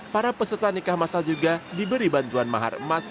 para peserta nikah masal juga diberi bantuan mahar emas